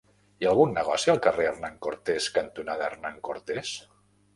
Hi ha algun negoci al carrer Hernán Cortés cantonada Hernán Cortés?